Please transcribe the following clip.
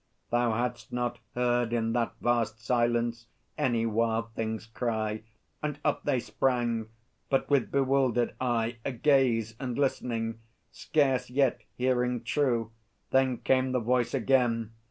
Thou hadst not heard In that vast silence any wild thing's cry. And up they sprang; but with bewildered eye, Agaze and listening, scarce yet hearing true. Then came the Voice again.